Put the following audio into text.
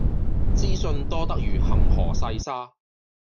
資訊多得如恆河細沙